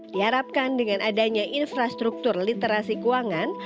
diharapkan dengan adanya infrastruktur literasi keuangan